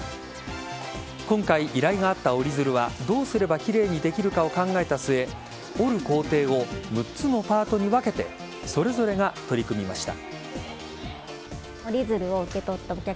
今回依頼があった折り鶴はどうすれば奇麗にできるかを考えた末折る工程を６つのパートに分けてそれぞれが取り組みました。